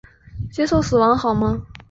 接受死亡好吗？